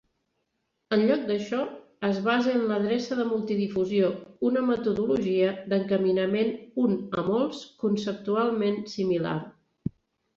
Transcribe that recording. En lloc d'això, es basa en l'adreça de multidifusió, una metodologia d'encaminament "un a molts" conceptualment similar.